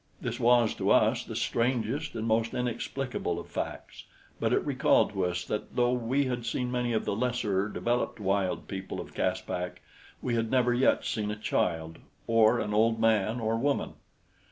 This was, to us, the strangest and most inexplicable of facts, but it recalled to us that though we had seen many of the lesser developed wild people of Caspak, we had never yet seen a child or an old man or woman.